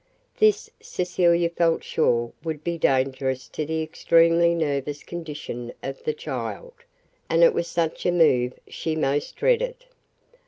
This Cecilia felt sure would be dangerous to the extremely nervous condition of the child, and it was such a move she most dreaded.